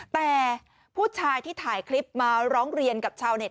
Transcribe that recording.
แต่ผู้ชายที่ถ่ายคลิปมาร้องเรียนกับชาวเต็